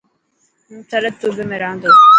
هون سرهد صوبي ۾ رها تو.